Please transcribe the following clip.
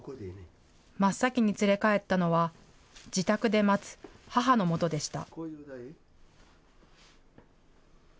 真っ先に連れ帰ったのは、自宅で待つ母のもとでした。